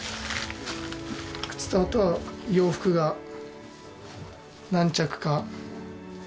靴とあとは洋服が何着か。